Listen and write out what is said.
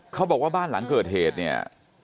เขาบอกว่าบ้านหลังเกิดเหตุเนี่ย